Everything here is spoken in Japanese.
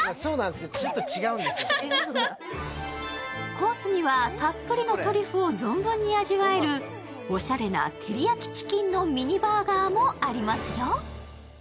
コースにはたっぷりのトリュフを存分に味わえるおしゃれな照り焼きチキンのミニバーガーもありますよ。